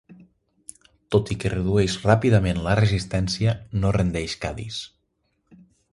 Tot i que redueix ràpidament la resistència no rendeix Cadis.